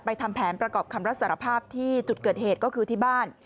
ทำแผนประกอบคำรับสารภาพที่จุดเกิดเหตุก็คือที่บ้าน